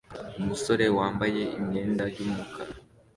Umusore wambaye imyenda yumukara